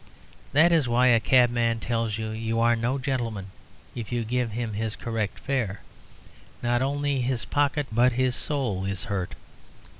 That is why a cabman tells you are no gentleman if you give him his correct fare. Not only his pocket, but his soul is hurt.